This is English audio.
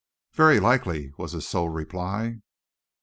"Very likely," was his sole reply.